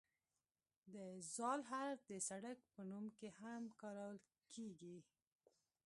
د "ذ" حرف د سړک په نوم کې هم کارول کیږي.